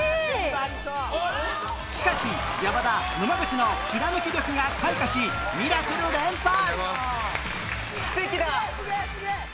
しかし山田野間口のひらめき力が開花しミラクル連発！